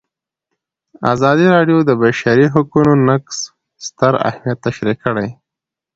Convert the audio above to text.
ازادي راډیو د د بشري حقونو نقض ستر اهميت تشریح کړی.